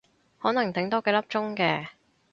可能頂多幾粒鐘嘅